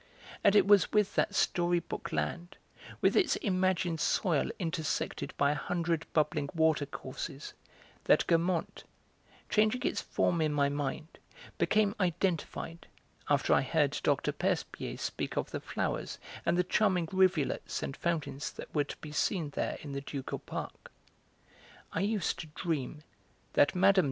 And it was with that story book land, with its imagined soil intersected by a hundred bubbling watercourses, that Guermantes, changing its form in my mind, became identified, after I heard Dr. Percepied speak of the flowers and the charming rivulets and fountains that were to be seen there in the ducal park. I used to dream that Mme.